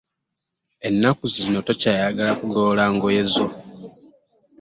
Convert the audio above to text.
Ennaku zino tokyayagala ku golola ngoye zo.